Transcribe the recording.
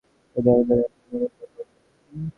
যদি অনুমতি দেন, কিছুক্ষণ বসে কথা বলতে পারি?